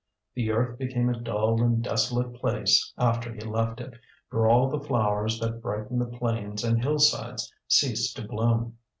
The earth became a dull and desolate place after he left it, for all the flowers that brightened the plains and hillsides ceased to bloom.